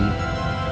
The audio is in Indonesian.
kamu keluar dari sini